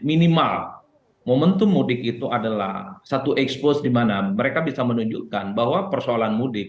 minimal momentum mudik itu adalah satu expose di mana mereka bisa menunjukkan bahwa persoalan mudik